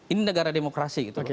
ini negara demokrasi gitu loh